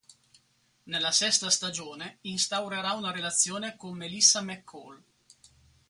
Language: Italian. Nella sesta stagione instaurerà una relazione con Melissa McCall.